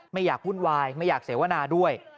ไม่อยากวุ่นวายไม่อยากเสวนาด้วย